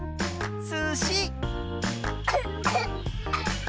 すし！